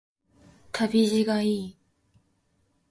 旅路がいい